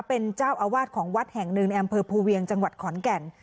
เป็นเจ้าอาวาสของวัดแห่งหนึ่งในอำเภอภูเวียงจังหวัดขอนแก่น